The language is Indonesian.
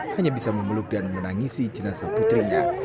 hanya bisa memeluk dan menangisi jenazah putrinya